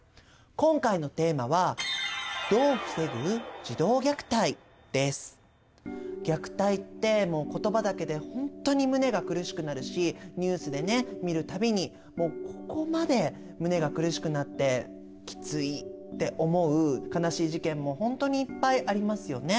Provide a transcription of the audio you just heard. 今回のテーマは虐待ってもう言葉だけで本当に胸が苦しくなるしニュースでね見る度にもうここまで胸が苦しくなってきついって思う悲しい事件も本当にいっぱいありますよね。